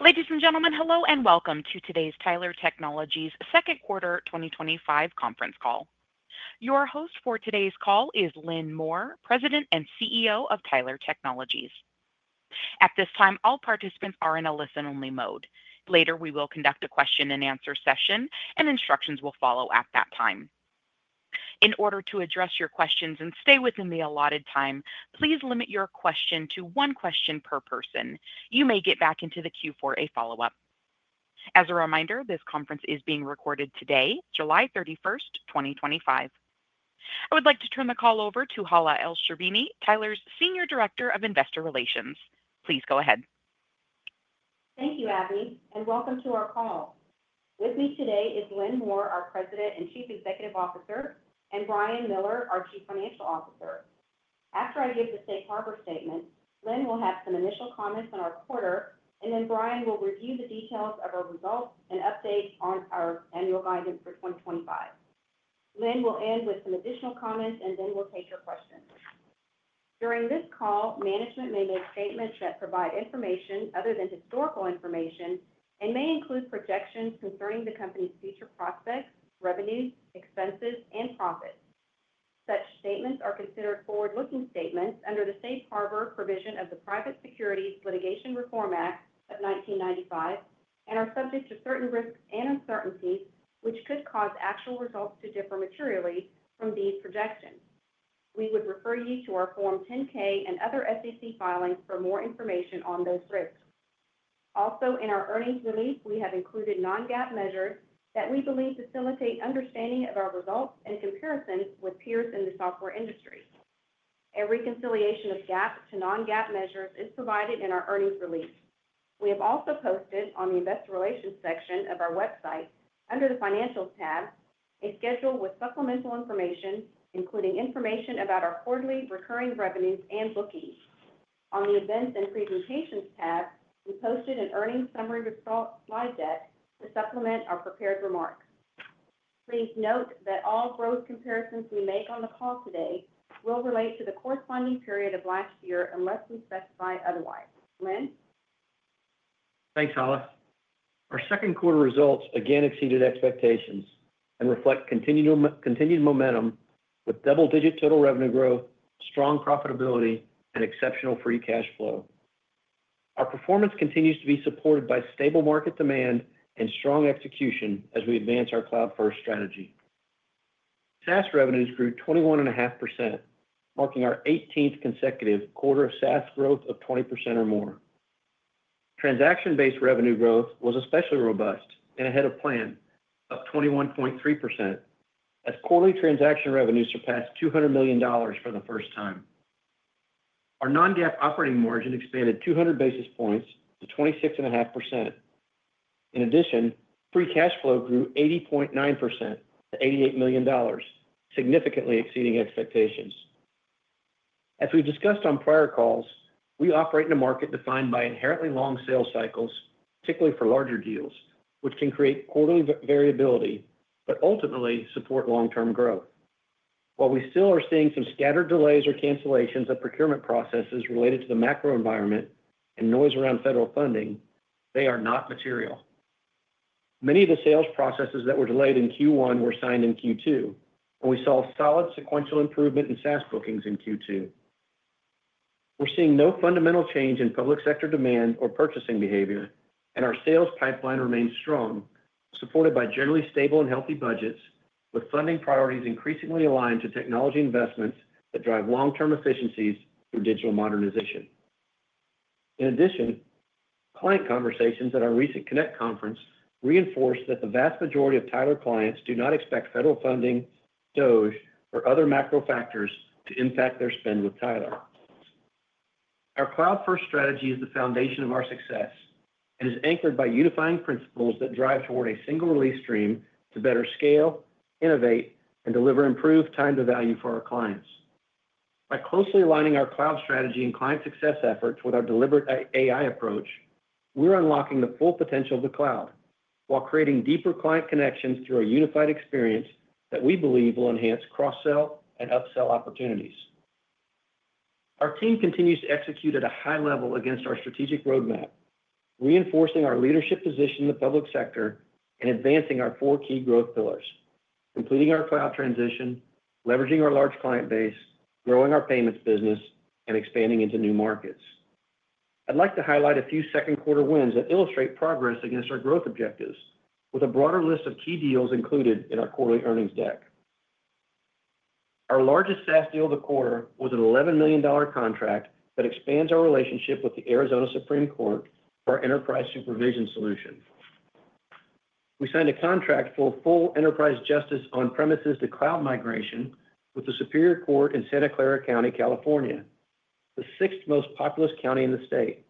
Ladies and gentlemen, hello and welcome to today's Tyler Technologies Second Quarter 2025 Conference Call. Your host for today's call is Lynn Moore, President and CEO of Tyler Technologies. At this time, all participants are in a listen-only mode. Later, we will conduct a question-and-answer session, and instructions will follow at that time. In order to address your questions and stay within the allotted time, please limit your question to one question per person. You may get back into the queue for a follow-up. As a reminder, this conference is being recorded today, July 31, 2025. I would like to turn the call over to Hala Elsherbini, Tyler's Senior Director of Investor Relations. Please go ahead. Thank you, Abby, and welcome to our call. With me today is Lynn Moore, our President and Chief Executive Officer, and Brian Miller, our Chief Financial Officer. After I give the safe harbor statement, Lynn will have some initial comments on our quarter, and then Brian will review the details of our results and updates on our annual guidance for 2025. Lynn will end with some additional comments, and then we'll take your questions. During this call, management may make statements that provide information other than historical information and may include projections concerning the company's future prospects, revenues, expenses, and profits. Such statements are considered forward-looking statements under the safe harbor provision of the Private Securities Litigation Reform Act of 1995 and are subject to certain risks and uncertainties which could cause actual results to differ materially from these projections. We would refer you to our Form 10-K and other SEC filings for more information on those risks. Also, in our earnings release, we have included non-GAAP measures that we believe facilitate understanding of our results and comparisons with peers in the software industry. A reconciliation of GAAP to non-GAAP measures is provided in our earnings release. We have also posted on the Investor Relations section of our website, under the Financials tab, a schedule with supplemental information, including information about our quarterly recurring revenues and bookings. On the Events and Presentations tab, we posted an earnings summary with slide deck to supplement our prepared remarks. Please note that all growth comparisons we make on the call today will relate to the corresponding period of last year unless we specify otherwise. Lynn? Thanks, Hala. Our second quarter results again exceeded expectations and reflect continued momentum with double-digit total revenue growth, strong profitability, and exceptional free cash flow. Our performance continues to be supported by stable market demand and strong execution as we advance our cloud-first strategy. SaaS revenues grew 21.5%, marking our 18th consecutive quarter of SaaS growth of 20% or more. Transaction-based revenue growth was especially robust and ahead of plan at 21.3%, as quarterly transaction revenue surpassed $200 million for the first time. Our non-GAAP operating margin expanded 200 basis points to 26.5%. In addition, free cash flow grew 80.9% to $88 million, significantly exceeding expectations. As we've discussed on prior calls, we operate in a market defined by inherently long sales cycles, particularly for larger deals, which can create quarterly variability but ultimately support long-term growth. While we still are seeing some scattered delays or cancellations of procurement processes related to the macro environment and noise around federal funding, they are not material. Many of the sales processes that were delayed in Q1 were signed in Q2, and we saw solid sequential improvement in SaaS bookings in Q2. We're seeing no fundamental change in public sector demand or purchasing behavior, and our sales pipeline remains strong, supported by generally stable and healthy budgets, with funding priorities increasingly aligned to technology investments that drive long-term efficiencies through digital modernization. In addition, client conversations at our recent Connect Conference reinforced that the vast majority of Tyler clients do not expect federal funding, DOGE, or other macro factors to impact their spend with Tyler. Our cloud-first strategy is the foundation of our success and is anchored by unifying principles that drive toward a single release stream to better scale, innovate, and deliver improved time-to-value for our clients. By closely aligning our cloud strategy and client success efforts with our deliberate AI approach, we're unlocking the full potential of the cloud while creating deeper client connections through a unified experience that we believe will enhance cross-sell and up-sell opportunities. Our team continues to execute at a high level against our strategic roadmap, reinforcing our leadership position in the public sector and advancing our four key growth pillars: completing our cloud transition, leveraging our large client base, growing our payments business, and expanding into new markets. I'd like to highlight a few second quarter wins that illustrate progress against our growth objectives, with a broader list of key deals included in our quarterly earnings deck. Our largest SaaS deal of the quarter was an $11 million contract that expands our relationship with the Arizona Supreme Court for our Enterprise Supervision Solution. We signed a contract for full enterprise justice on-premises to cloud migration with the Santa Clara County Superior Court in California, the sixth most populous county in the state.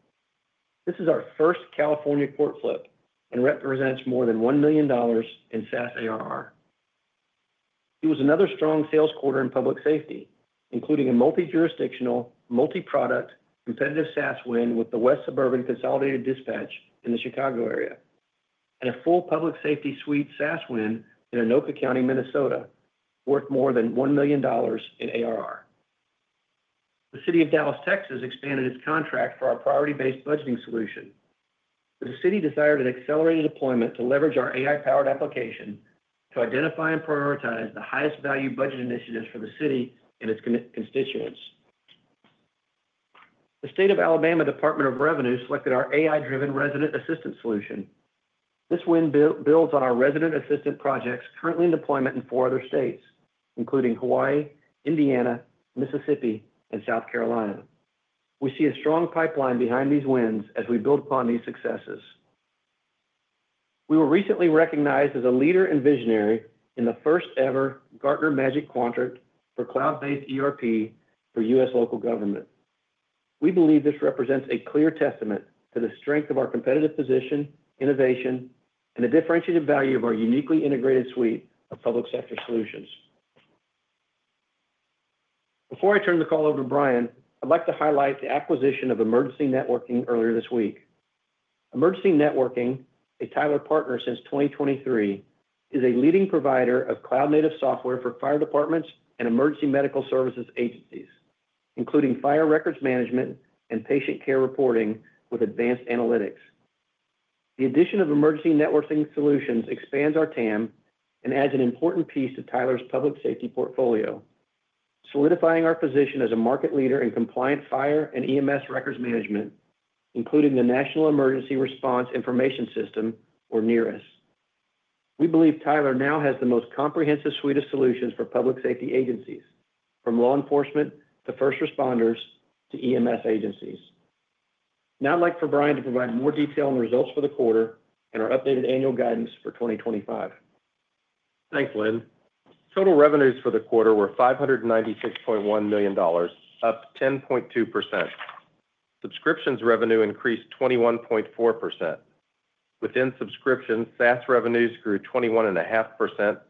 This is our first California court flip and represents more than $1 million in SaaS ARR. It was another strong sales quarter in public safety, including a multi-jurisdictional, multi-product, competitive SaaS win with the West Suburban Consolidated Dispatch in the Chicago area, and a full public safety suite SaaS win in Anoka County, Minnesota, worth more than $1 million in ARR. The City of Dallas, Texas, expanded its contract for our Priority-Based Budgeting Solution. The City desired an accelerated deployment to leverage our AI-powered application to identify and prioritize the highest-value budget initiatives for the City and its constituents. The State of Alabama Department of Revenue selected our AI-driven resident assistance solution. This win builds on our resident assistant projects currently in deployment in four other states, including Hawaii, Indiana, Mississippi, and South Carolina. We see a strong pipeline behind these wins as we build upon these successes. We were recently recognized as a leader and visionary in the first-ever Gartner Magic Quadrant for Cloud-based ERP for U.S. local government. We believe this represents a clear testament to the strength of our competitive position, innovation, and the differentiated value of our uniquely integrated suite of public sector solutions. Before I turn the call over to Brian, I'd like to highlight the acquisition of Emergency Networking earlier this week. Emergency Networking, a Tyler partner since 2023, is a leading provider of Cloud-native software for fire departments and emergency medical services agencies, including fire records management and Patient Care Reporting with advanced analytics. The addition of Emergency Networking solutions expands our TAM and adds an important piece to Tyler's public safety portfolio, solidifying our position as a market leader in compliant fire and EMS records management, including the National Emergency Response Information System, or NERIS. We believe Tyler now has the most comprehensive suite of solutions for public safety agencies, from law enforcement to first responders to EMS agencies. Now I'd like for Brian to provide more detail on results for the quarter and our updated annual guidance for 2025. Thanks, Lynn. Total revenues for the quarter were $596.1 million, up 10.2%. Subscriptions revenue increased 21.4%. Within subscriptions, SaaS revenues grew 21.5%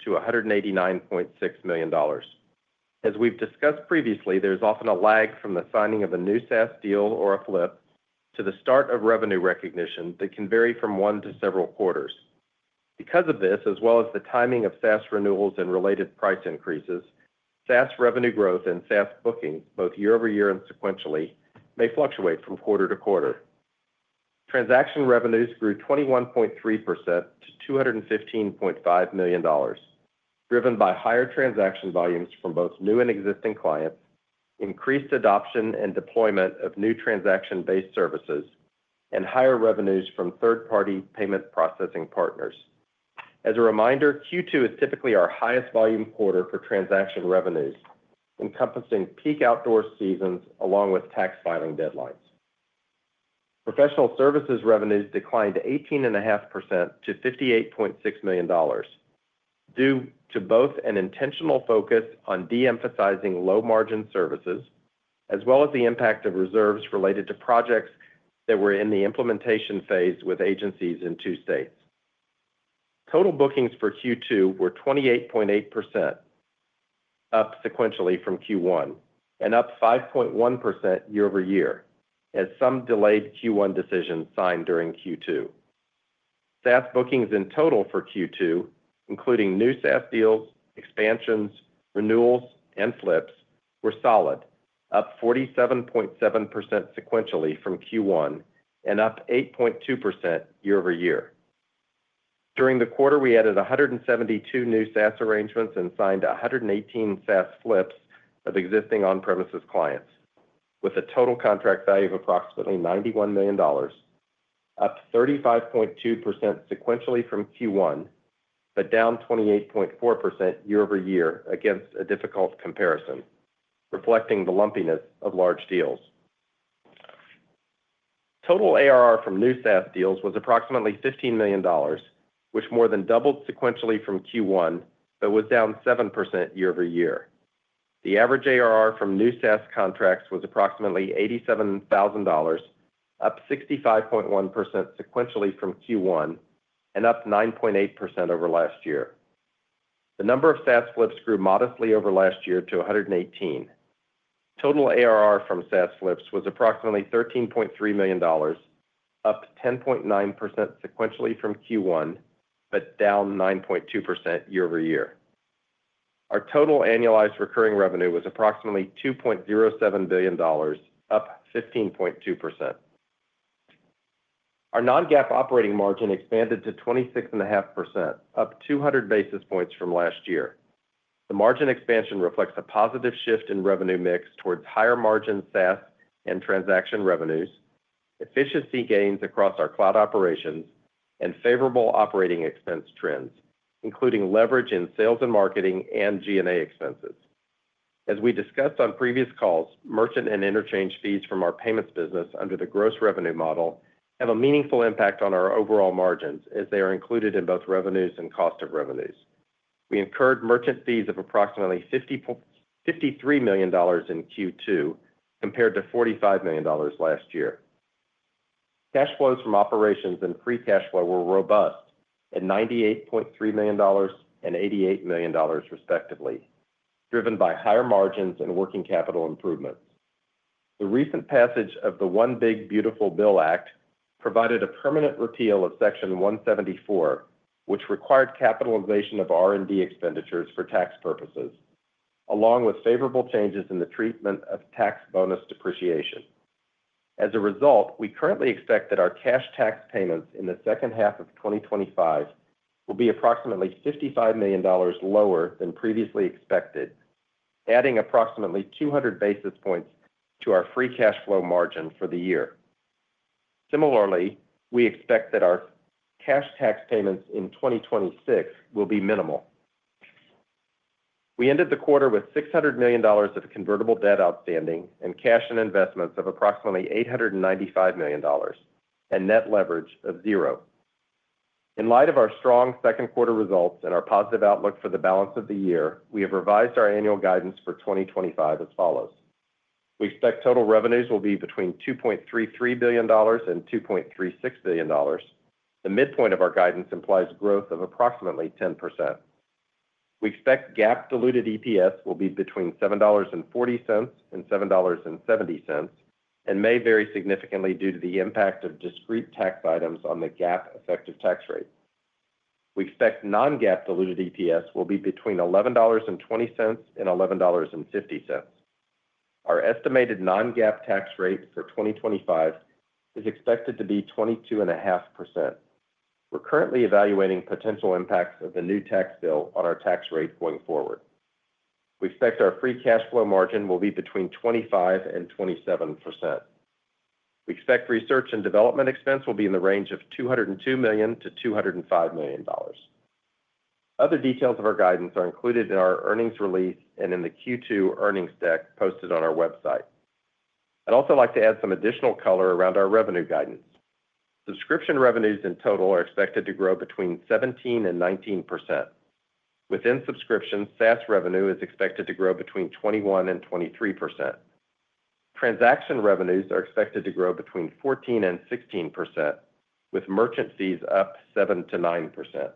to $189.6 million. As we've discussed previously, there's often a lag from the signing of a new SaaS deal or a flip to the start of revenue recognition that can vary from one to several quarters. Because of this, as well as the timing of SaaS renewals and related price increases, SaaS revenue growth and SaaS bookings, both year-over-year and sequentially, may fluctuate from quarter to quarter. Transaction revenues grew 21.3% to $215.5 million, driven by higher transaction volumes from both new and existing clients, increased adoption and deployment of new transaction-based services, and higher revenues from third-party payment processing partners. As a reminder, Q2 is typically our highest-volume quarter for transaction revenues, encompassing peak outdoor seasons along with tax filing deadlines. Professional services revenues declined 18.5% to $58.6 million due to both an intentional focus on de-emphasizing low-margin services, as well as the impact of reserves related to projects that were in the implementation phase with agencies in two states. Total bookings for Q2 were 28.8%, up sequentially from Q1, and up 5.1% year-over-year as some delayed Q1 decisions signed during Q2. SaaS bookings in total for Q2, including new SaaS deals, expansions, renewals, and flips, were solid, up 47.7% sequentially from Q1 and up 8.2% year-over-year. During the quarter, we added 172 new SaaS arrangements and signed 118 SaaS flips of existing on-premises clients, with a total contract value of approximately $91 million. Up 35.2% sequentially from Q1, but down 28.4% year-over-year against a difficult comparison, reflecting the lumpiness of large deals. Total ARR from new SaaS deals was approximately $15 million, which more than doubled sequentially from Q1, but was down 7% year-over-year. The average ARR from new SaaS contracts was approximately $87,000, up 65.1% sequentially from Q1 and up 9.8% over last year. The number of SaaS flips grew modestly over last year to 118. Total ARR from SaaS flips was approximately $13.3 million, up 10.9% sequentially from Q1, but down 9.2% year-over-year. Our total annualized recurring revenue was approximately $2.07 billion, up 15.2%. Our non-GAAP operating margin expanded to 26.5%, up 200 basis points from last year. The margin expansion reflects a positive shift in revenue mix towards higher-margin SaaS and transaction revenues, efficiency gains across our cloud operations, and favorable operating expense trends, including leverage in sales and marketing and G&A expenses. As we discussed on previous calls, merchant and interchange fees from our payments business under the gross revenue model have a meaningful impact on our overall margins as they are included in both revenues and cost of revenues. We incurred merchant fees of approximately $53 million in Q2 compared to $45 million last year. Cash flows from operations and free cash flow were robust at $98.3 million and $88 million, respectively, driven by higher margins and working capital improvements. The recent passage of the One Big Beautiful Bill Act provided a permanent repeal of Section 174, which required capitalization of R&D expenditures for tax purposes, along with favorable changes in the treatment of tax bonus depreciation. As a result, we currently expect that our cash tax payments in the second half of 2025 will be approximately $55 million lower than previously expected, adding approximately 200 basis points to our free cash flow margin for the year. Similarly, we expect that our cash tax payments in 2026 will be minimal. We ended the quarter with $600 million of convertible debt outstanding and cash and investments of approximately $895 million, and net leverage of zero. In light of our strong second quarter results and our positive outlook for the balance of the year, we have revised our annual guidance for 2025 as follows. We expect total revenues will be between $2.33 billion and $2.36 billion. The midpoint of our guidance implies growth of approximately 10%. We expect GAAP diluted EPS will be between $7.40 and $7.70 and may vary significantly due to the impact of discrete tax items on the GAAP effective tax rate. We expect non-GAAP diluted EPS will be between $11.20 and $11.50. Our estimated non-GAAP tax rate for 2025 is expected to be 22.5%. We're currently evaluating potential impacts of the new tax bill on our tax rate going forward. We expect our free cash flow margin will be between 25% and 27%. We expect research and development expense will be in the range of $202 million to $205 million. Other details of our guidance are included in our earnings release and in the Q2 earnings deck posted on our website. I'd also like to add some additional color around our revenue guidance. Subscription revenues in total are expected to grow between 17% and 19%. Within subscriptions, SaaS revenue is expected to grow between 21% and 23%. Transaction revenues are expected to grow between 14% and 16%, with merchant fees up 7% to 9%.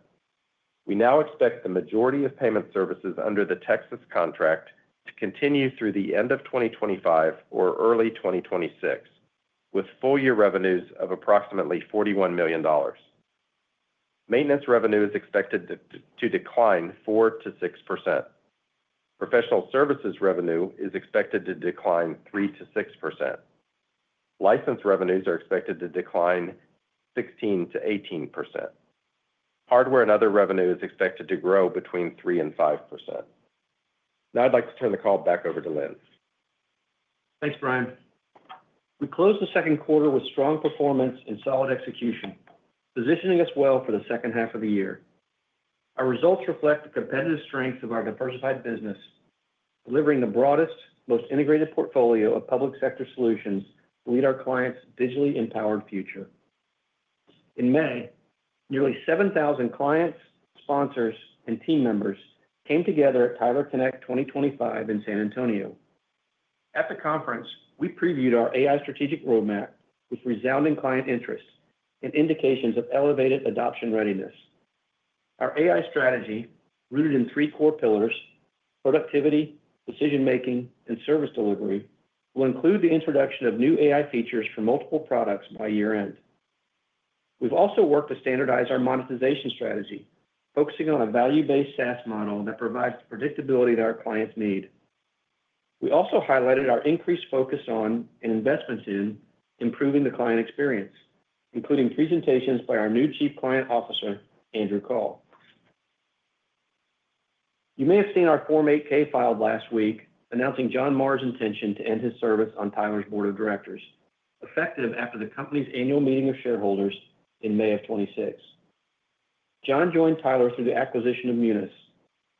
We now expect the majority of payment services under the Texas contract to continue through the end of 2025 or early 2026, with full-year revenues of approximately $41 million. Maintenance revenue is expected to decline 4% to 6%. Professional services revenue is expected to decline 3% to 6%. License revenues are expected to decline 16% to 18%. Hardware and other revenue is expected to grow between 3% and 5%. Now I'd like to turn the call back over to Lynn. Thanks, Brian. We closed the second quarter with strong performance and solid execution, positioning us well for the second half of the year. Our results reflect the competitive strength of our diversified business, delivering the broadest, most integrated portfolio of public sector solutions to lead our clients' digitally empowered future. In May, nearly 7,000 clients, sponsors, and team members came together at Tyler Connect 2025 in San Antonio. At the conference, we previewed our AI strategic roadmap with resounding client interest and indications of elevated adoption readiness. Our AI strategy, rooted in three core pillars: productivity, decision-making, and service delivery, will include the introduction of new AI features for multiple products by year-end. We've also worked to standardize our monetization strategy, focusing on a value-based SaaS model that provides the predictability that our clients need. We also highlighted our increased focus on and investments in improving the client experience, including presentations by our new Chief Client Officer, Andrew Coll. You may have seen our Form 8-K filed last week announcing John Marr's intention to end his service on Tyler's board of directors, effective after the company's annual meeting of shareholders in May of 2026. John joined Tyler through the acquisition of Munis,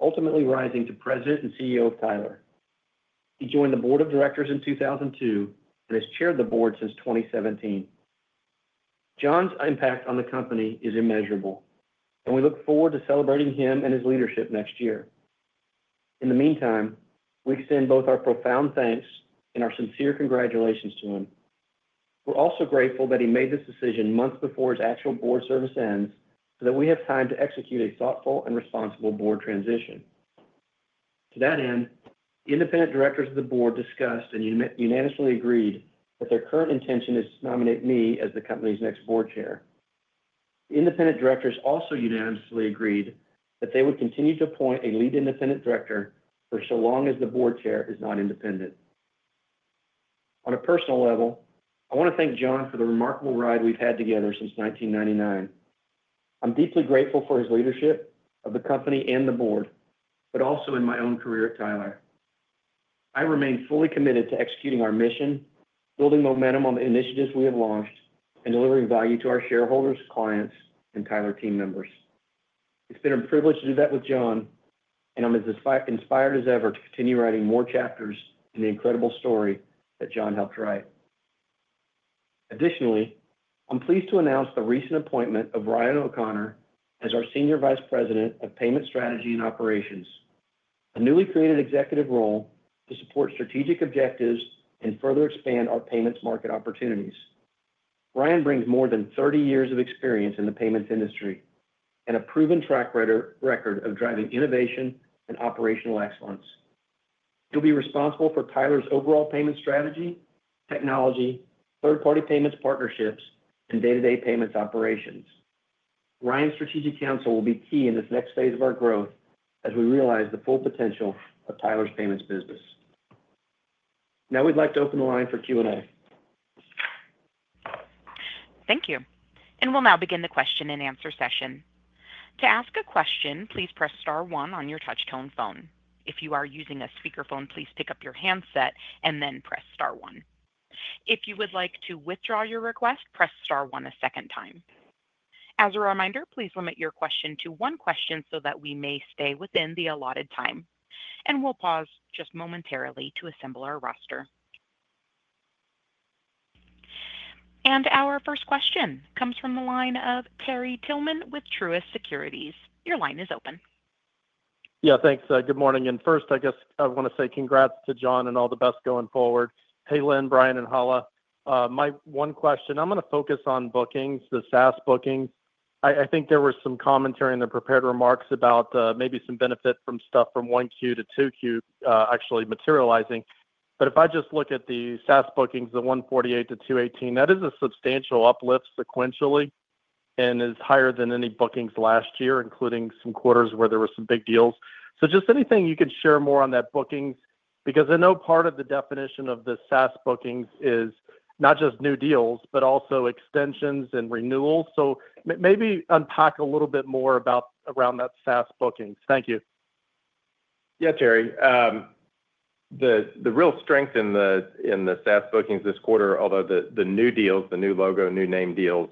ultimately rising to President and CEO of Tyler. He joined the board of directors in 2002 and has chaired the board since 2017. John's impact on the company is immeasurable, and we look forward to celebrating him and his leadership next year. In the meantime, we extend both our profound thanks and our sincere congratulations to him. We're also grateful that he made this decision months before his actual board service ends so that we have time to execute a thoughtful and responsible board transition. To that end, the independent directors of the board discussed and unanimously agreed that their current intention is to nominate me as the company's next board chair. The independent directors also unanimously agreed that they would continue to appoint a lead independent director for so long as the board chair is not independent. On a personal level, I want to thank John for the remarkable ride we've had together since 1999. I'm deeply grateful for his leadership of the company and the board, but also in my own career at Tyler. I remain fully committed to executing our mission, building momentum on the initiatives we have launched, and delivering value to our shareholders, clients, and Tyler team members. It's been a privilege to do that with John, and I'm as inspired as ever to continue writing more chapters in the incredible story that John helped write. Additionally, I'm pleased to announce the recent appointment of Ryan O’Connor as our Senior Vice President of Payment Strategy and Operations, a newly created executive role to support strategic objectives and further expand our payments market opportunities. Ryan brings more than 30 years of experience in the payments industry and a proven track record of driving innovation and operational excellence. He'll be responsible for Tyler's overall payments strategy, technology, third-party payments partnerships, and day-to-day payments operations. Ryan's strategic counsel will be key in this next phase of our growth as we realize the full potential of Tyler's payments business. Now we'd like to open the line for Q&A. Thank you. We'll now begin the question-and-answer session. To ask a question, please press Star 1 on your touch-tone phone. If you are using a speakerphone, please pick up your handset and then press Star 1. If you would like to withdraw your request, press Star 1 a second time. As a reminder, please limit your question to one question so that we may stay within the allotted time. We'll pause just momentarily to assemble our roster. Our first question comes from the line of Terry Tillman with Truist Securities. Your line is open. Yeah, thanks. Good morning. First, I want to say congrats to John and all the best going forward. Hey, Lynn, Brian, and Hala. My one question, I'm going to focus on bookings, the SaaS bookings. I think there was some commentary in the prepared remarks about maybe some benefit from stuff from 1Q to 2Q actually materializing. If I just look at the SaaS bookings, the $148 million to $218 million, that is a substantial uplift sequentially and is higher than any bookings last year, including some quarters where there were some big deals. Just anything you can share more on that bookings because I know part of the definition of the SaaS bookings is not just new deals, but also extensions and renewals. Maybe unpack a little bit more around that SaaS bookings. Thank you. Yeah, Terry. The real strength in the SaaS bookings this quarter, although the new deals, the new logo, new name deals,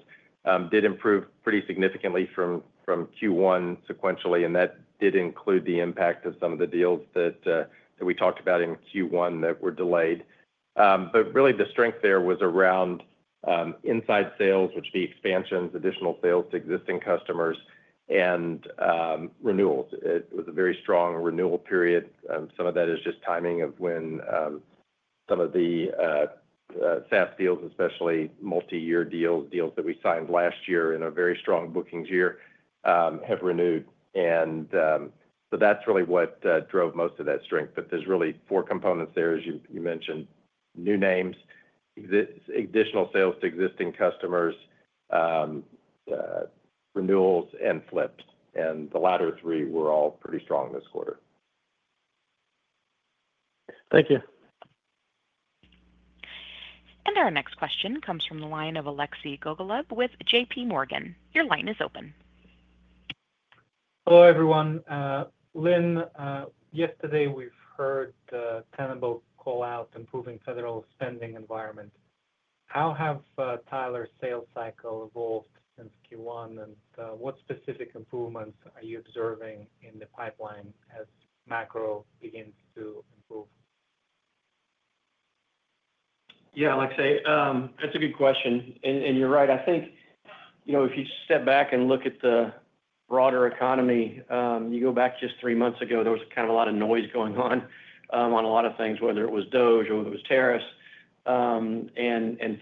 did improve pretty significantly from Q1 sequentially. That did include the impact of some of the deals that we talked about in Q1 that were delayed. The strength there was around inside sales, which would be expansions, additional sales to existing customers, and renewals. It was a very strong renewal period. Some of that is just timing of when some of the SaaS deals, especially multi-year deals, deals that we signed last year in a very strong bookings year, have renewed. That's really what drove most of that strength. There's really four components there, as you mentioned: new names, additional sales to existing customers, renewals, and flips. The latter three were all pretty strong this quarter. Thank you. Our next question comes from the line of Alexei Gogolev with J.P. Morgan. Your line is open. Hello, everyone. Lynn, yesterday we've heard the Tenable call out improving federal spending environment. How have Tyler's sales cycle evolved since Q1, and what specific improvements are you observing in the pipeline as macro begins to improve? Yeah, Alexi, that's a good question. You're right. I think if you step back and look at the broader economy, you go back just three months ago, there was kind of a lot of noise going on on a lot of things, whether it was Doge or it was Terrace.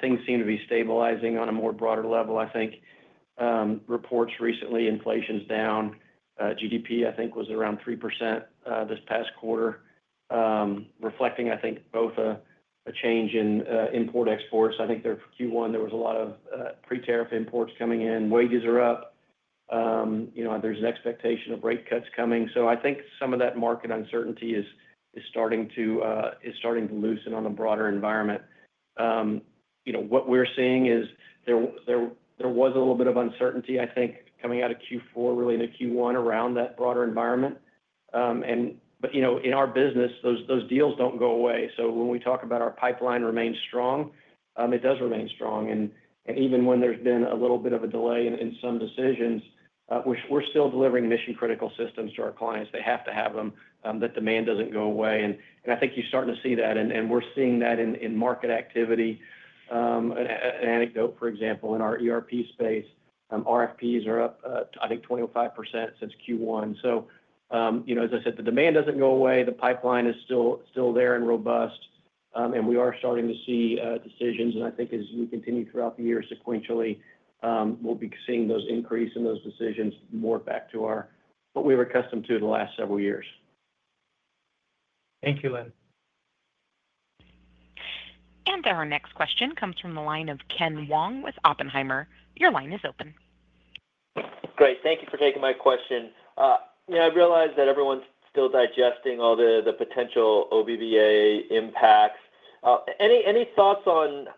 Things seem to be stabilizing on a more broader level, I think. Reports recently, inflation's down. GDP, I think, was around 3% this past quarter, reflecting, I think, both a change in import-exports. I think there for Q1, there was a lot of pre-term imports coming in. Wages are up. There's an expectation of rate cuts coming. I think some of that market uncertainty is starting to loosen on a broader environment. What we're seeing is there was a little bit of uncertainty, I think, coming out of Q4, really into Q1 around that broader environment. In our business, those deals don't go away. When we talk about our pipeline remains strong, it does remain strong. Even when there's been a little bit of a delay in some decisions, we're still delivering mission-critical systems to our clients. They have to have them. That demand doesn't go away. I think you're starting to see that, and we're seeing that in market activity. An anecdote, for example, in our ERP space, RFPs are up, I think, 25% since Q1. As I said, the demand doesn't go away. The pipeline is still there and robust, and we are starting to see decisions. I think as we continue throughout the year sequentially, we'll be seeing those increase in those decisions more back to what we were accustomed to the last several years. Thank you, Lynn. Our next question comes from the line of Ken Wong with Oppenheimer. Your line is open. Great. Thank you for taking my question. I realize that everyone's still digesting all the potential OVBA impacts. Any thoughts on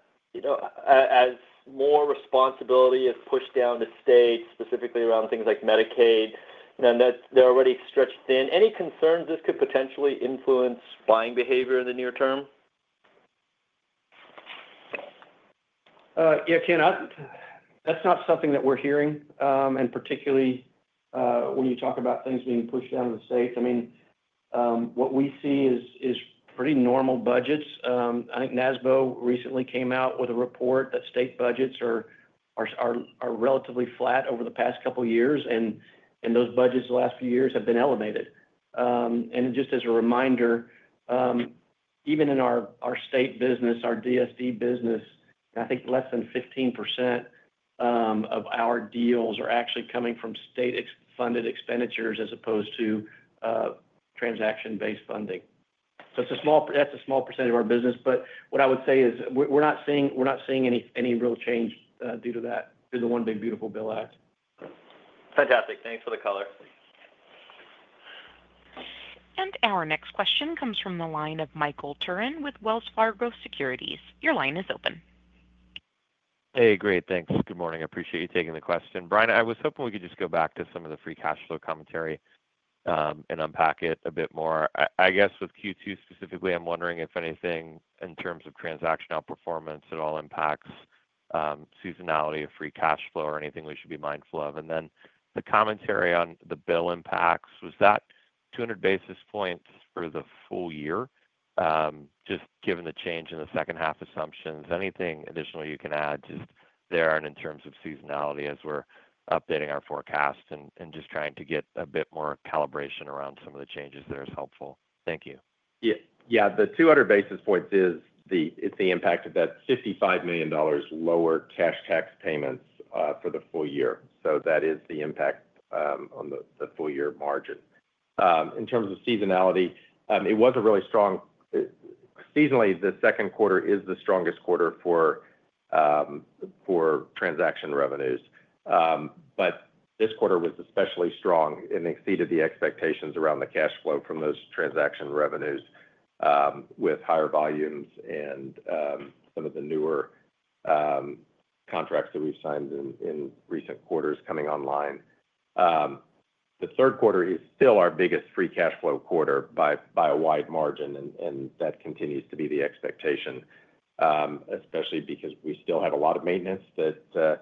as more responsibility is pushed down to states, specifically around things like Medicaid, and they're already stretched thin? Any concerns this could potentially influence buying behavior in the near term? Yeah, Ken, that's not something that we're hearing, particularly when you talk about things being pushed down to the states. I mean, what we see is pretty normal budgets. I think NASBO recently came out with a report that state budgets are relatively flat over the past couple of years, and those budgets the last few years have been elevated. Just as a reminder, even in our state business, our DSD business, I think less than 15% of our deals are actually coming from state-funded expenditures as opposed to transaction-based funding. That's a small percent of our business. What I would say is we're not seeing any real change due to that, due to the One Big Beautiful Bill Act. Fantastic. Thanks for the color. Our next question comes from the line of Michael Turrin with Wells Fargo Securities. Your line is open. Hey, great. Thanks. Good morning. I appreciate you taking the question. Brian, I was hoping we could just go back to some of the free cash flow commentary and unpack it a bit more. I guess with Q2 specifically, I'm wondering if anything in terms of transactional performance at all impacts seasonality of free cash flow or anything we should be mindful of. The commentary on the bill impacts, was that 200 basis points for the full year? Just given the change in the second half assumptions, anything additional you can add just there in terms of seasonality as we're updating our forecast and just trying to get a bit more calibration around some of the changes there is helpful. Thank you. Yeah, the 200 basis points is the impact of that $55 million lower cash tax payments for the full year. That is the impact on the full year margin. In terms of seasonality, it wasn't really strong. Seasonally, the second quarter is the strongest quarter for transaction revenues. This quarter was especially strong and exceeded the expectations around the cash flow from those transaction revenues, with higher volumes and some of the newer contracts that we've signed in recent quarters coming online. The third quarter is still our biggest free cash flow quarter by a wide margin, and that continues to be the expectation, especially because we still have a lot of maintenance, the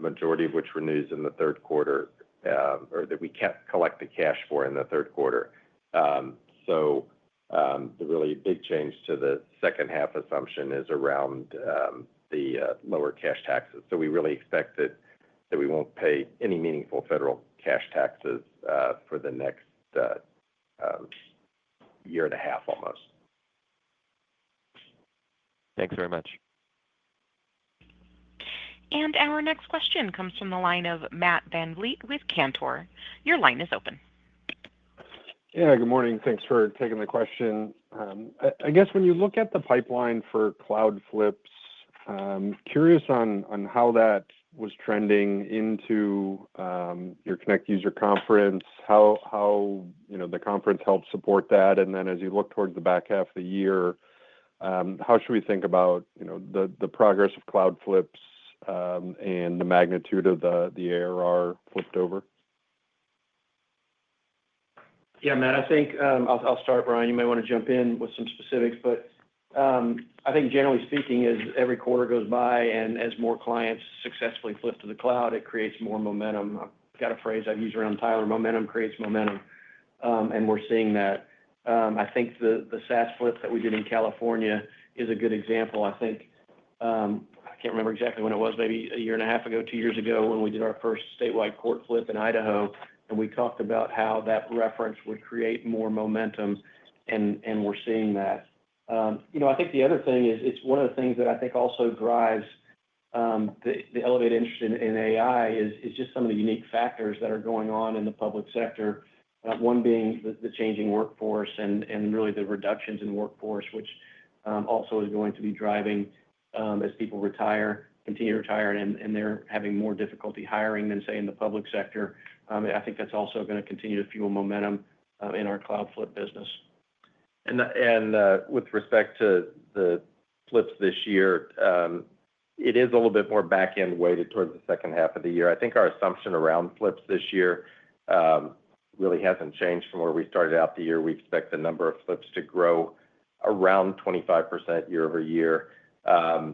majority of which renews in the third quarter or that we collect the cash for in the third quarter. The really big change to the second half assumption is around the lower cash taxes. We really expect that we won't pay any meaningful federal cash taxes for the next year and a half almost. Thanks very much. Our next question comes from the line of Matt VanVliet with Cantor. Your line is open. Good morning. Thanks for taking the question. I guess when you look at the pipeline for cloud flips, curious on how that was trending into your Connect User Conference, how the conference helped support that. As you look towards the back half of the year, how should we think about the progress of cloud flips and the magnitude of the ARR flipped over? Yeah, Matt, I think I'll start. Brian, you might want to jump in with some specifics. I think generally speaking, as every quarter goes by and as more clients successfully flip to the cloud, it creates more momentum. I've got a phrase I use around Tyler, momentum creates momentum, and we're seeing that. I think the SaaS flip that we did in California is a good example. I can't remember exactly when it was, maybe a year and a half ago, two years ago when we did our first statewide court flip in Idaho, and we talked about how that reference would create more momentum. We're seeing that. I think the other thing is it's one of the things that I think also drives the elevated interest in AI is just some of the unique factors that are going on in the public sector, one being the changing workforce and really the reductions in workforce, which also is going to be driving as people retire, continue to retire, and they're having more difficulty hiring than, say, in the public sector. I think that's also going to continue to fuel momentum in our cloud flip business. With respect to the flips this year, it is a little bit more back-end weighted towards the second half of the year. I think our assumption around flips this year really hasn't changed from where we started out the year. We expect the number of flips to grow around 25% year over year. I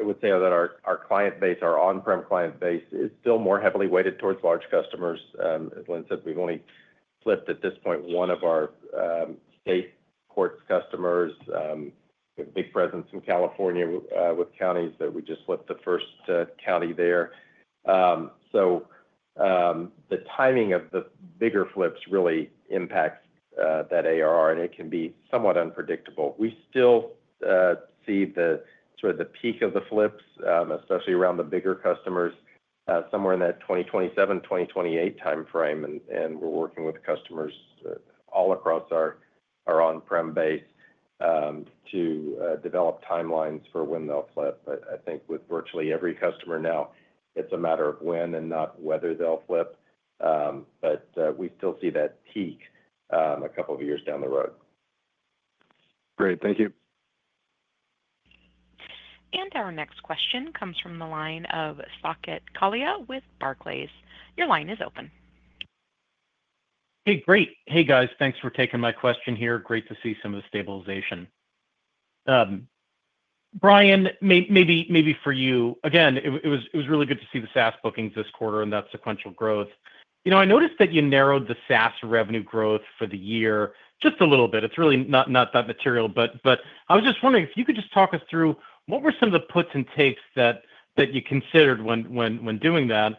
would say that our client base, our on-prem client base, is still more heavily weighted towards large customers. As Lynn said, we've only flipped at this point one of our state courts customers. We have a big presence in California with counties that we just flipped the first county there. The timing of the bigger flips really impacts that ARR, and it can be somewhat unpredictable. We still see the sort of the peak of the flips, especially around the bigger customers, somewhere in that 2027, 2028 timeframe. We're working with customers all across our on-prem base to develop timelines for when they'll flip. I think with virtually every customer now, it's a matter of when and not whether they'll flip. We still see that peak a couple of years down the road. Great. Thank you. Our next question comes from the line of Saket Kalia with Barclays. Your line is open. Hey, great. Hey, guys. Thanks for taking my question here. Great to see some of the stabilization. Brian, maybe for you. It was really good to see the SaaS bookings this quarter and that sequential growth. I noticed that you narrowed the SaaS revenue growth for the year just a little bit. It's really not that material. I was just wondering if you could just talk us through what were some of the puts and takes that you considered when doing that.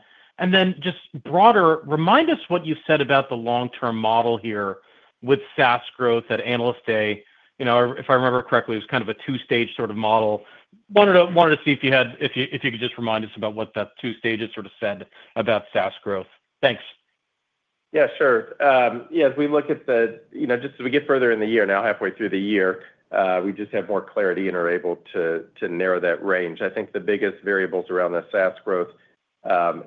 Just broader, remind us what you said about the long-term model here with SaaS growth at Analyst Day. If I remember correctly, it was kind of a two-stage sort of model. Wanted to see if you could just remind us about what that two stages sort of said about SaaS growth. Thanks. Yeah, sure. As we look at the, just as we get further in the year now, halfway through the year, we just have more clarity and are able to narrow that range. I think the biggest variables around the SaaS growth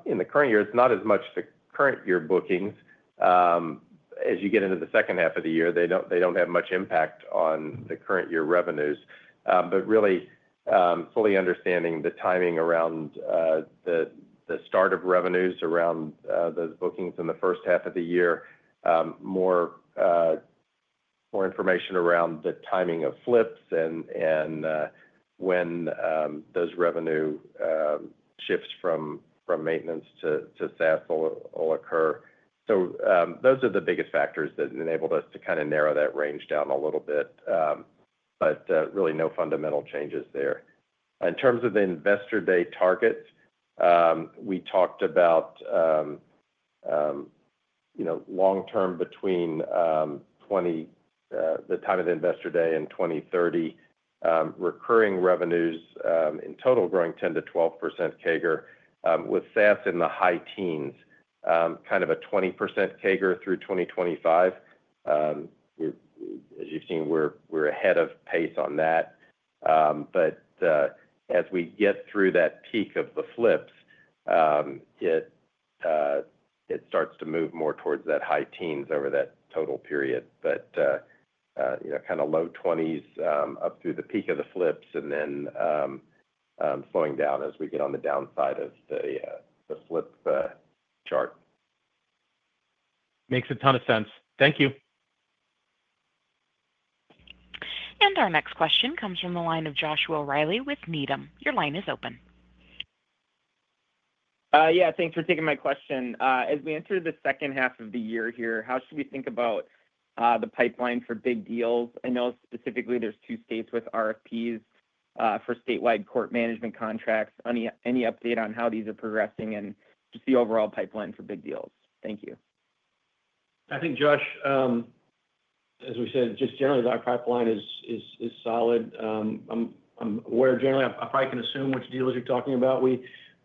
in the current year is not as much the current year bookings. As you get into the second half of the year, they don't have much impact on the current year revenues. Really, fully understanding the timing around the start of revenues around those bookings in the first half of the year, more information around the timing of flips and when those revenue shifts from maintenance to SaaS will occur. Those are the biggest factors that enabled us to kind of narrow that range down a little bit. Really, no fundamental changes there. In terms of the investor day targets, we talked about long-term between the time of the investor day and 2030, recurring revenues in total growing 10% to 12% CAGR with SaaS in the high teens, kind of a 20% CAGR through 2025. As you've seen, we're ahead of pace on that. As we get through that peak of the flips, it starts to move more towards that high teens over that total period, kind of low 20s up through the peak of the flips and then slowing down as we get on the downside of the flip chart. Makes a ton of sense. Thank you. Our next question comes from the line of Joshua Reilly with Needham. Your line is open. Yeah, thanks for taking my question. As we enter the second half of the year here, how should we think about the pipeline for big deals? I know specifically there's two states with RFPs for statewide court management contracts. Any update on how these are progressing and just the overall pipeline for big deals? Thank you. I think, Josh. As we said, just generally, our pipeline is solid. I'm aware generally, I probably can assume which deals you're talking about. We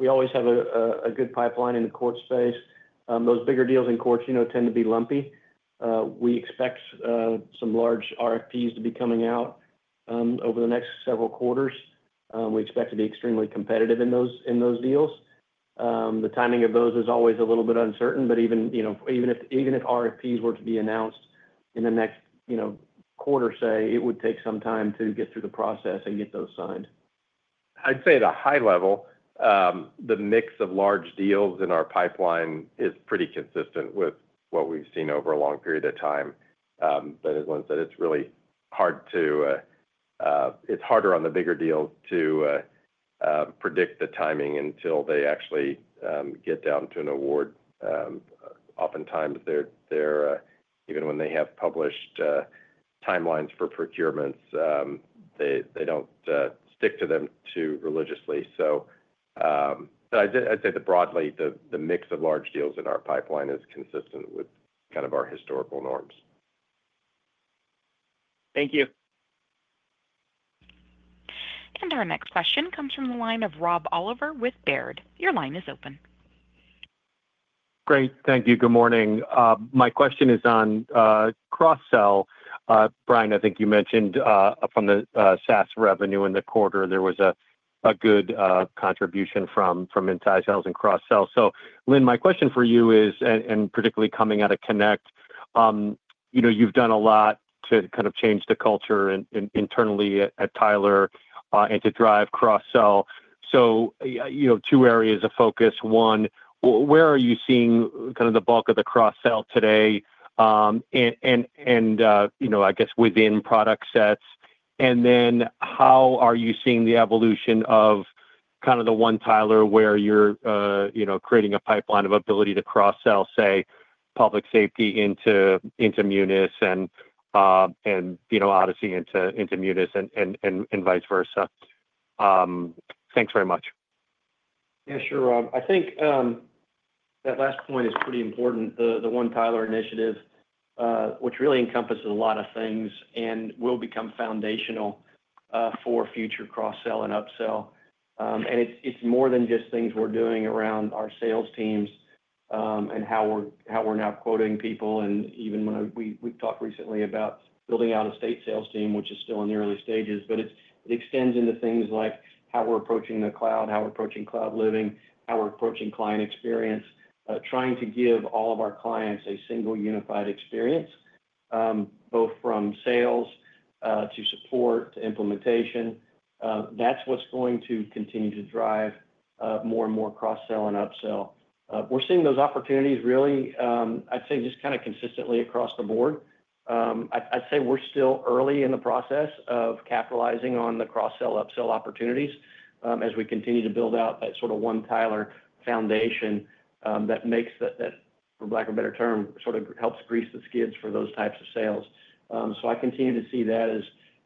always have a good pipeline in the court space. Those bigger deals in court tend to be lumpy. We expect some large RFPs to be coming out over the next several quarters. We expect to be extremely competitive in those deals. The timing of those is always a little bit uncertain. Even if RFPs were to be announced in the next quarter, say, it would take some time to get through the process and get those signed. I'd say at a high level, the mix of large deals in our pipeline is pretty consistent with what we've seen over a long period of time. As Lynn said, it's really hard to predict the timing until they actually get down to an award. Oftentimes, even when they have published timelines for procurements, they don't stick to them too religiously. I'd say that broadly, the mix of large deals in our pipeline is consistent with kind of our historical norms. Thank you. Our next question comes from the line of Rob Oliver with Baird. Your line is open. Great. Thank you. Good morning. My question is on cross-sell. Brian, I think you mentioned from the SaaS revenue in the quarter, there was a good contribution from inside sales and cross-sell. Lynn, my question for you is, and particularly coming out of Connect, you've done a lot to kind of change the culture internally at Tyler and to drive cross-sell. Two areas of focus. One, where are you seeing kind of the bulk of the cross-sell today, I guess within product sets? How are you seeing the evolution of kind of the One Tyler where you're creating a pipeline of ability to cross-sell, say, public safety into Munis and Odyssey into Munis and vice versa? Thanks very much. Yeah, sure. I think that last point is pretty important. The One Tyler initiative, which really encompasses a lot of things, will become foundational for future cross-sell and upsell. It's more than just things we're doing around our sales teams and how we're now quoting people. Even when we've talked recently about building out a state sales team, which is still in the early stages, it extends into things like how we're approaching the cloud, how we're approaching cloud living, how we're approaching client experience, trying to give all of our clients a single unified experience, both from sales to support to implementation. That's what's going to continue to drive more and more cross-sell and upsell. We're seeing those opportunities really, I'd say, just kind of consistently across the board. I'd say we're still early in the process of capitalizing on the cross-sell upsell opportunities as we continue to build out that sort of One Tyler foundation that, for lack of a better term, sort of helps grease the skids for those types of sales. I continue to see that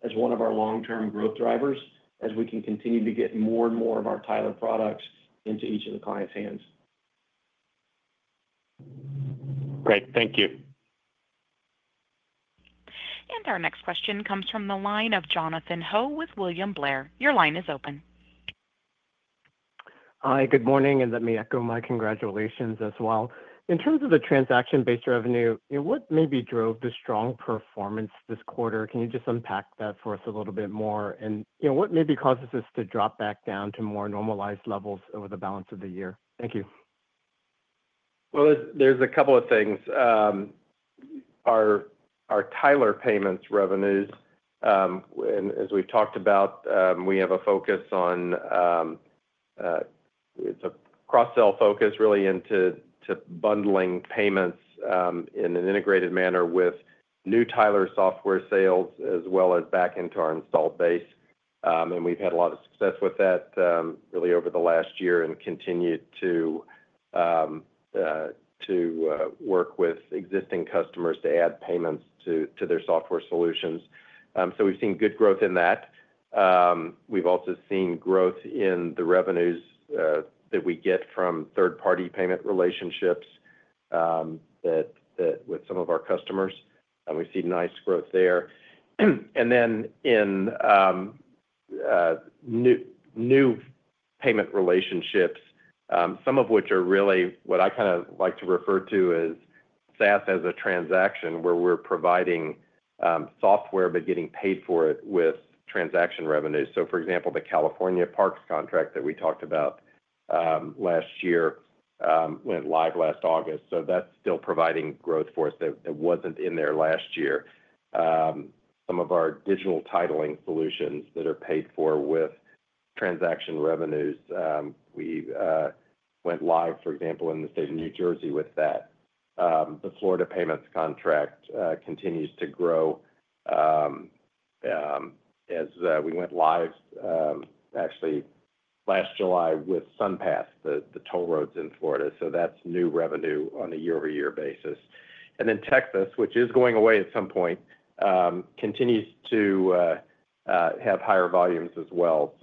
as one of our long-term growth drivers as we can continue to get more and more of our Tyler products into each of the clients' hands. Great. Thank you. Our next question comes from the line of Jonathan Ho with William Blair. Your line is open. Hi, good morning. Let me echo my congratulations as well. In terms of the transaction-based revenue, what maybe drove the strong performance this quarter? Can you just unpack that for us a little bit more? What maybe causes us to drop back down to more normalized levels over the balance of the year? Thank you. There are a couple of things. Our Tyler payments revenues, as we've talked about, have a focus on a cross-sell focus really into bundling payments in an integrated manner with new Tyler software sales as well as back into our installed base. We've had a lot of success with that really over the last year and continue to work with existing customers to add payments to their software solutions. We've seen good growth in that. We've also seen growth in the revenues that we get from third-party payment relationships with some of our customers, and we've seen nice growth there. In new payment relationships, some of which are really what I kind of like to refer to as SaaS as a transaction, we're providing software but getting paid for it with transaction revenue. For example, the California Parks contract that we talked about last year went live last August, so that's still providing growth for us that wasn't in there last year. Some of our Digital Titling Solutions that are paid for with transaction revenues went live, for example, in the state of New Jersey with that. The Florida payments contract continues to grow as we went live actually last July with SunPass, the toll roads in Florida, so that's new revenue on a year-over-year basis. Texas, which is going away at some point, continues to have higher volumes as well.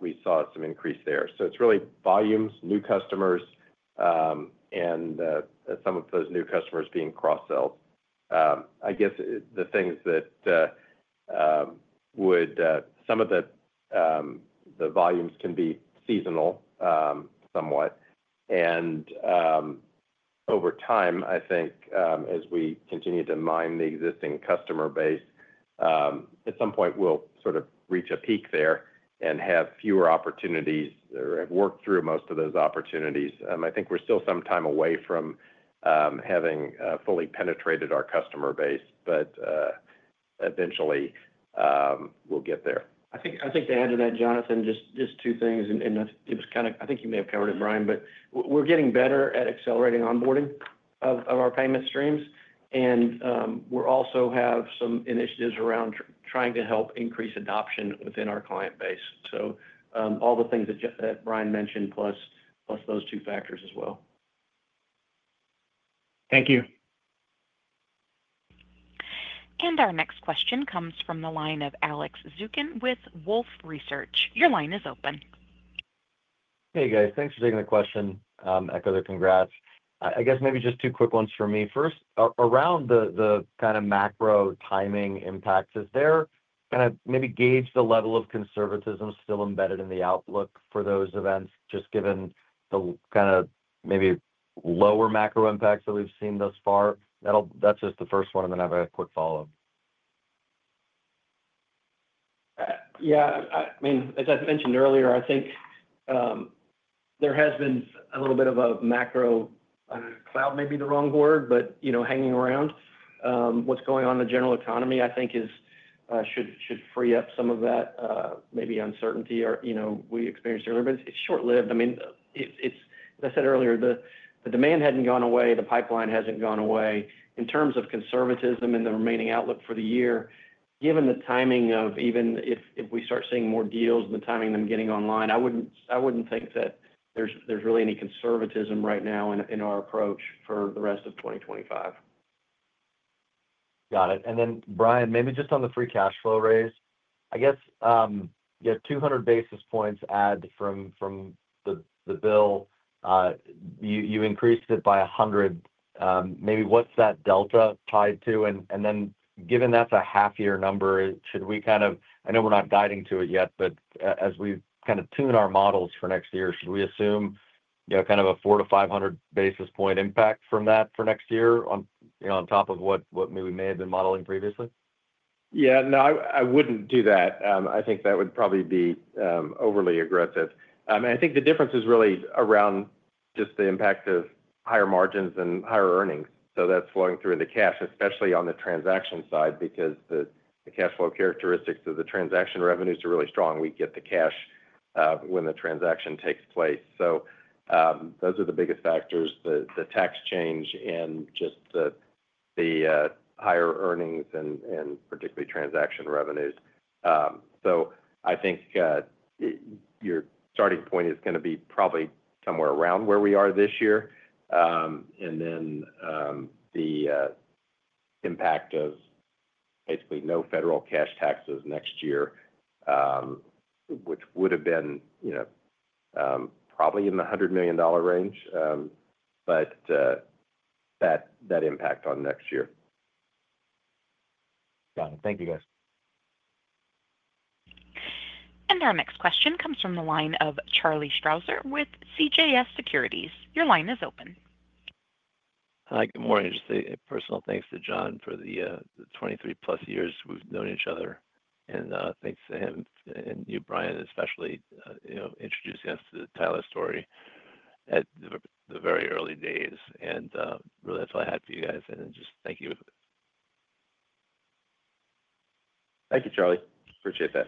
We saw some increase there. It's really volumes, new customers, and some of those new customers being cross-sells. I guess the things that would—some of the volumes can be seasonal somewhat. Over time, I think as we continue to mine the existing customer base, at some point, we'll sort of reach a peak there and have fewer opportunities or have worked through most of those opportunities. I think we're still some time away from having fully penetrated our customer base, but eventually we'll get there. I think to add to that, Jonathan, just two things. I think you may have covered it, Brian, but we're getting better at accelerating onboarding of our payment streams. We also have some initiatives around trying to help increase adoption within our client base. All the things that Brian mentioned plus those two factors as well. Thank you. Our next question comes from the line of Alex Zukin with Wolfe Research. Your line is open. Hey, guys. Thanks for taking the question. Echo the congrats. I guess maybe just two quick ones for me. First, around the kind of macro timing impacts, is there kind of maybe gauge the level of conservatism still embedded in the outlook for those events just given the kind of maybe lower macro impacts that we've seen thus far? That's just the first one. I have a quick follow-up. Yeah. I mean, as I mentioned earlier, I think there has been a little bit of a macro cloud, maybe the wrong word, but hanging around. What's going on in the general economy, I think, should free up some of that maybe uncertainty we experienced earlier. It's short-lived. I mean, as I said earlier, the demand hadn't gone away. The pipeline hasn't gone away. In terms of conservatism and the remaining outlook for the year, given the timing of even if we start seeing more deals and the timing of them getting online, I wouldn't think that there's really any conservatism right now in our approach for the rest of 2025. Got it. Brian, maybe just on the free cash flow raise, I guess. You have 200 basis points add from the bill. You increased it by 100. Maybe what's that delta tied to? Given that's a half-year number, should we kind of, I know we're not guiding to it yet, but as we kind of tune our models for next year, should we assume kind of a 4 to 500 basis point impact from that for next year on top of what we may have been modeling previously? Yeah. No, I wouldn't do that. I think that would probably be overly aggressive. I think the difference is really around just the impact of higher margins and higher earnings. That's flowing through into cash, especially on the transaction side because the cash flow characteristics of the transaction revenues are really strong. We get the cash when the transaction takes place. Those are the biggest factors: the tax change and just the higher earnings and particularly transaction revenues. I think your starting point is going to be probably somewhere around where we are this year. The impact of basically no federal cash taxes next year, which would have been probably in the $100 million range, but that impact on next year. Got it. Thank you, guys. Our next question comes from the line of Charlie Strauzer with CJS Securities. Your line is open. Hi. Good morning. Just a personal thanks to John for the 23-plus years we've known each other. Thanks to him and you, Brian, especially for introducing us to the Tyler story at the very early days. Really, that's all I had for you guys. Just thank you. Thank you, Charlie. Appreciate that.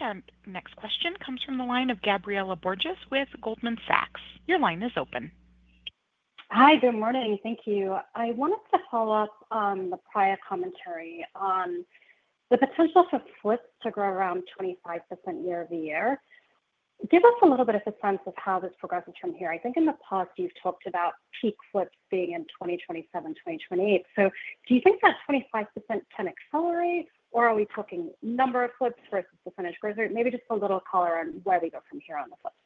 Our next question comes from the line of Gabriela Borges with Goldman Sachs. Your line is open. Hi. Good morning. Thank you. I wanted to follow up on the prior commentary on the potential for flips to grow around 25% year-over-year. Give us a little bit of a sense of how this progresses from here. I think in the past, you've talked about peak flips being in 2027, 2028. Do you think that 25% can accelerate, or are we talking number of flips versus percentage growth rate? Maybe just a little color on where we go from here on the flips.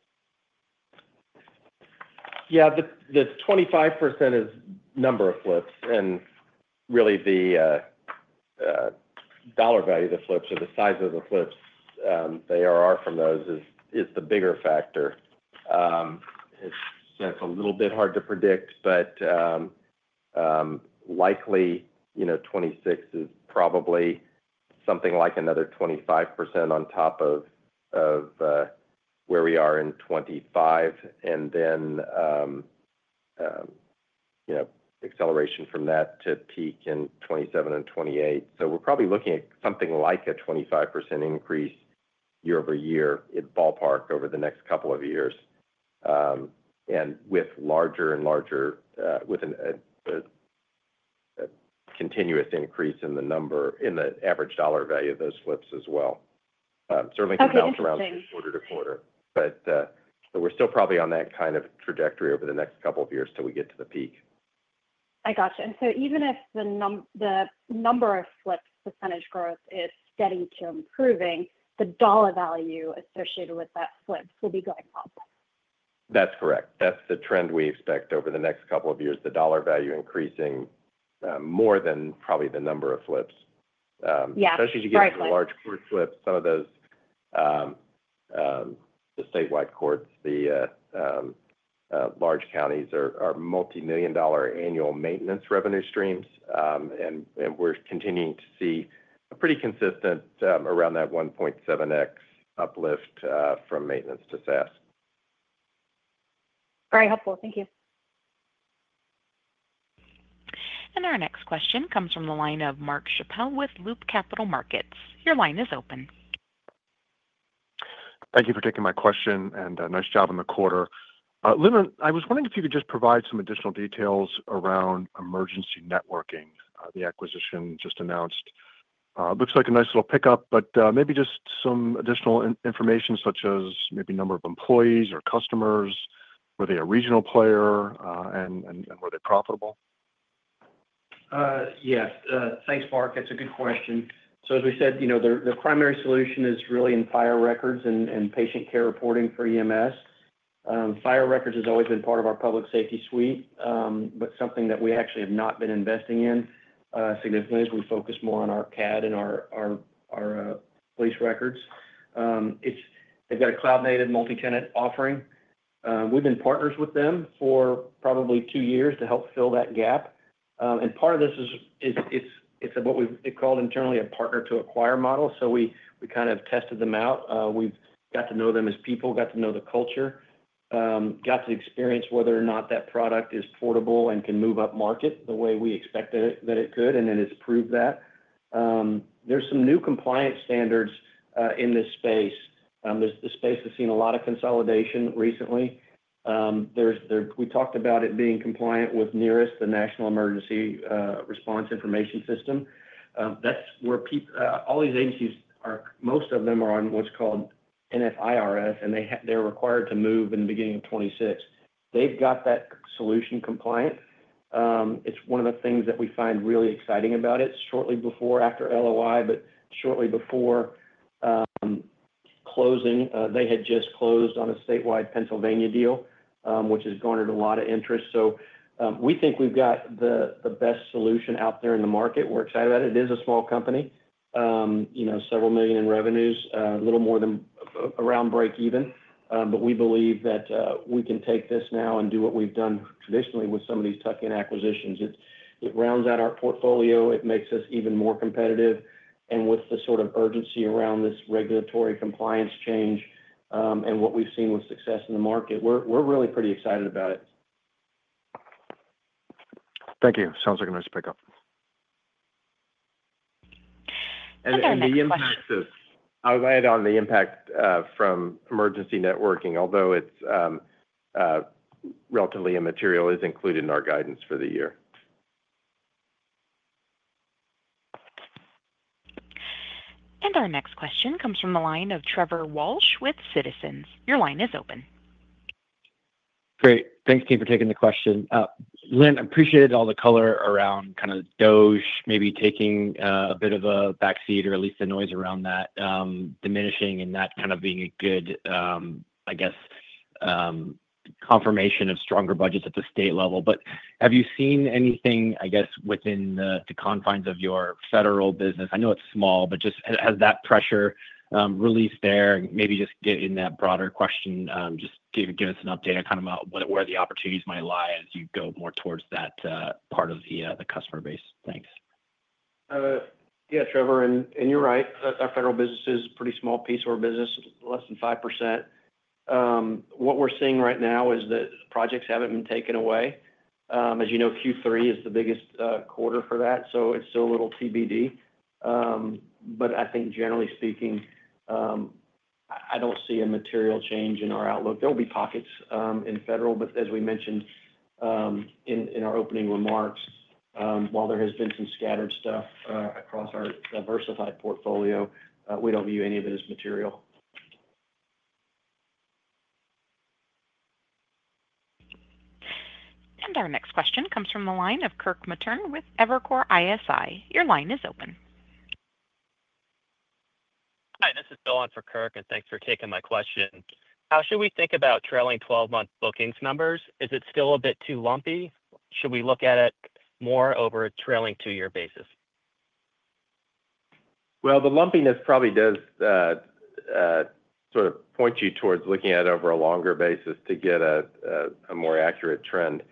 Yeah. The 25% is number of flips. The dollar value of the flips or the size of the flips from those is the bigger factor. It's a little bit hard to predict. Likely, 2026 is probably something like another 25% on top of where we are in 2025. Acceleration from that to peak in 2027 and 2028. We're probably looking at something like a 25% increase year-over-year in ballpark over the next couple of years, with a continuous increase in the average dollar value of those flips as well. Certainly, compounds around from quarter to quarter. We're still probably on that kind of trajectory over the next couple of years till we get to the peak. I gotcha. Even if the number of flips % growth is steady to improving, the dollar value associated with that flip will be going up. That's correct. That's the trend we expect over the next couple of years, the dollar value increasing more than probably the number of flips. Yeah. Right. Especially as you get into the large court flips, some of those statewide courts, the large counties are multi-million dollar annual maintenance revenue streams. We're continuing to see a pretty consistent around that 1.7x uplift from maintenance to SaaS. Very helpful. Thank you. Our next question comes from the line of Mark Chappell with Loop Capital Markets. Your line is open. Thank you for taking my question and nice job in the quarter. Lynn, I was wondering if you could just provide some additional details around Emergency Networking, the acquisition just announced. Looks like a nice little pickup, but maybe just some additional information such as maybe number of employees or customers, were they a regional player, and were they profitable? Yes. Thanks, Mark. That's a good question. As we said, the primary solution is really in fire records and patient care reporting for EMS. Fire records has always been part of our public safety suite, but something that we actually have not been investing in significantly as we focus more on our CAD and our police records. They've got a cloud-native multi-tenant offering. We've been partners with them for probably two years to help fill that gap. Part of this is what we've called internally a partner-to-acquire model. We kind of tested them out. We've got to know them as people, got to know the culture, got to experience whether or not that product is portable and can move up market the way we expected that it could. It has proved that. There are some new compliance standards in this space. The space has seen a lot of consolidation recently. We talked about it being compliant with NERIS, the National Emergency Response Information System. That's where all these agencies, most of them are on what's called NFIRS, and they're required to move in the beginning of 2026. They've got that solution compliant. It's one of the things that we find really exciting about it. Shortly before or after LOI, but shortly before closing, they had just closed on a statewide Pennsylvania deal, which has garnered a lot of interest. We think we've got the best solution out there in the market. We're excited about it. It is a small company, several million in revenues, a little more than around break even. We believe that we can take this now and do what we've done traditionally with some of these tuck-in acquisitions. It rounds out our portfolio. It makes us even more competitive. With the sort of urgency around this regulatory compliance change and what we've seen with success in the market, we're really pretty excited about it. Thank you. Sounds like a nice pickup. The impact from Emergency Networking, although it's relatively immaterial, is included in our guidance for the year. Our next question comes from the line of Trevor Walsh with Citizens. Your line is open. Great. Thanks, Keene, for taking the question. Lynn, I appreciated all the color around kind of DOGE maybe taking a bit of a backseat or at least the noise around that diminishing and that kind of being a good, I guess, confirmation of stronger budgets at the state level. Have you seen anything, I guess, within the confines of your federal business? I know it's small, but just has that pressure released there? Maybe just get in that broader question, just give us an update on kind of where the opportunities might lie as you go more towards that part of the customer base. Thanks. Yeah, Trevor, you're right. Our federal business is a pretty small piece of our business, less than 5%. What we're seeing right now is that projects haven't been taken away. As you know, Q3 is the biggest quarter for that. It's still a little TBD, but I think, generally speaking, I don't see a material change in our outlook. There will be pockets in federal. As we mentioned in our opening remarks, while there has been some scattered stuff across our diversified portfolio, we don't view any of it as material. Our next question comes from the line of Kirk Materne with Evercore ISI. Your line is open. Hi. This is Dylan for Kirk, and thanks for taking my question. How should we think about trailing 12-month bookings numbers? Is it still a bit too lumpy? Should we look at it more over a trailing two-year basis? The lumpiness probably does sort of point you towards looking at it over a longer basis to get a more accurate trend.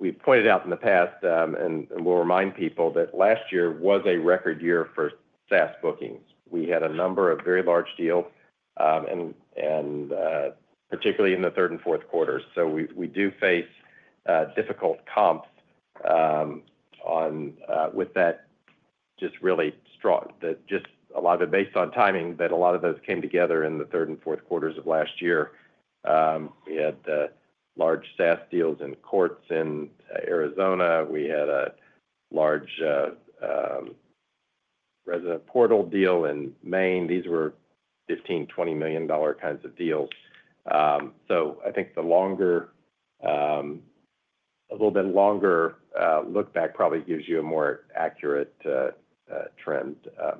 We've pointed out in the past, and we'll remind people that last year was a record year for SaaS bookings. We had a number of very large deals, particularly in the third and fourth quarters. We do face difficult comps with that. Just really a lot of it based on timing, but a lot of those came together in the third and fourth quarters of last year. We had large SaaS deals in courts in Arizona. We had a large resident portal deal in Maine. These were $15 million, $20 million kinds of deals. I think the longer, a little bit longer look back probably gives you a more accurate trend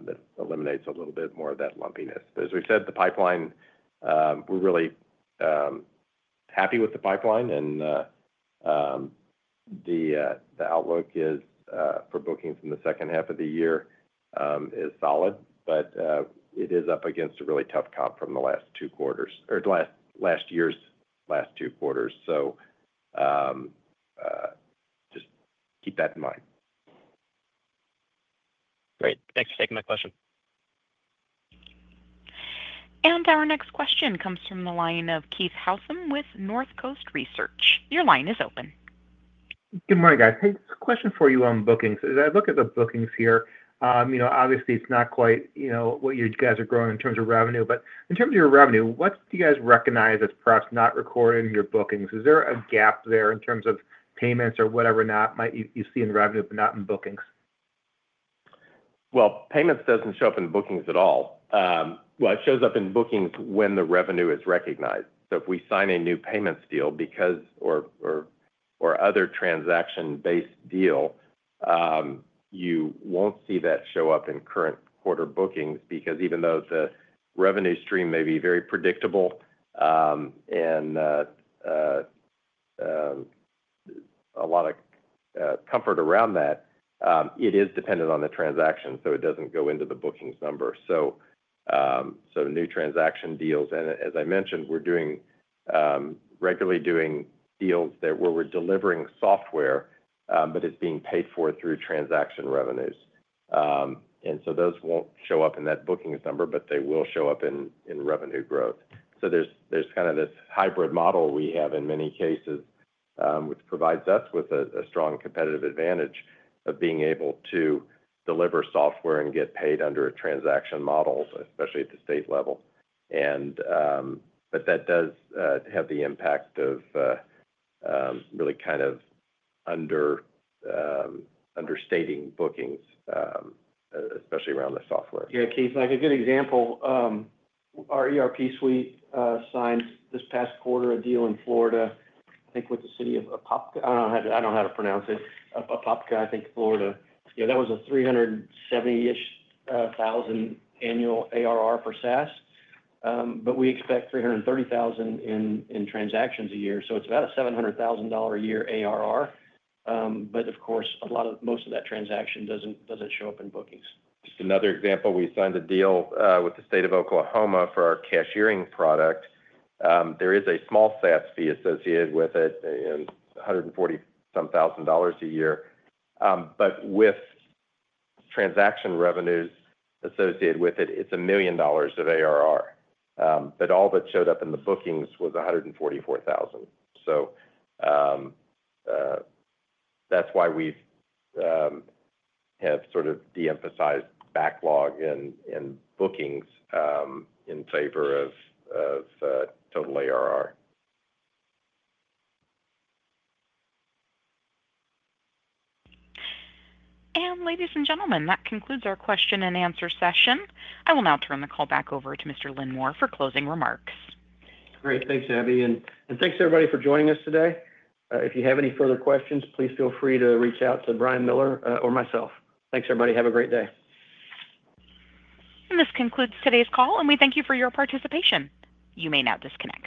that eliminates a little bit more of that lumpiness. As we said, the pipeline, we're really happy with the pipeline, and the outlook for bookings in the second half of the year is solid, but it is up against a really tough comp from the last two quarters or last year's last two quarters. Just keep that in mind. Great. Thanks for taking my question. Our next question comes from the line of Keith Housum with Northcoast Research. Your line is open. Good morning, guys. This is a question for you on bookings. As I look at the bookings here, obviously, it's not quite what you guys are growing in terms of revenue. In terms of your revenue, what do you guys recognize as perhaps not recorded in your bookings? Is there a gap there in terms of payments or whatever you see in revenue, but not in bookings? Payments doesn't show up in bookings at all. It shows up in bookings when the revenue is recognized. If we sign a new payments deal or other transaction-based deal, you won't see that show up in current quarter bookings because even though the revenue stream may be very predictable and there is a lot of comfort around that, it is dependent on the transaction. It doesn't go into the bookings number. New transaction deals, and as I mentioned, we're regularly doing deals where we're delivering software, but it's being paid for through transaction revenues. Those won't show up in that bookings number, but they will show up in revenue growth. There's kind of this hybrid model we have in many cases, which provides us with a strong competitive advantage of being able to deliver software and get paid under a transaction model, especially at the state level. That does have the impact of really kind of understating bookings, especially around the software. Yeah, Keith, a good example. Our ERP suite signed this past quarter a deal in Florida, I think, with the city of Apopka. I don't know how to pronounce it. Apopka, I think, Florida. That was a $370,000-ish annual ARR for SaaS. We expect $330,000 in transactions a year. It's about a $700,000 a year ARR. Of course, most of that transaction doesn't show up in bookings. Just another example. We signed a deal with the State of Oklahoma for our Cashiering product. There is a small SaaS fee associated with it, $140,000-some a year, with transaction revenues associated with it. It's $1 million of ARR. All that showed up in the bookings was $144,000. That’s why we have sort of de-emphasized backlog in bookings in favor of total ARR. Ladies and gentlemen, that concludes our question and answer session. I will now turn the call back over to Mr. Lynn Moore for closing remarks. Great. Thanks, Abby. Thanks, everybody, for joining us today. If you have any further questions, please feel free to reach out to Brian Miller or myself. Thanks, everybody. Have a great day. This concludes today's call, and we thank you for your participation. You may now disconnect.